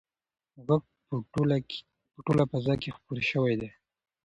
غږ په ټوله فضا کې خپور شوی دی.